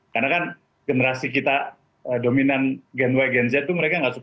karena kan generasi kita dominan gen y gen z tuh mereka nggak suka